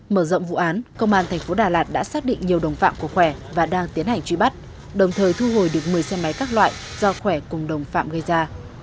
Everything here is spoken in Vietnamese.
mở rộng vụ án công an thành phố đà lạt đã xác định nhiều đồng phạm của khỏe và đang tiến hành truy bắt đồng thời thu hồi được một mươi xe máy các loại do khỏe cùng đồng phạm gây ra